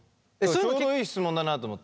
ちょうどいい質問だなと思って。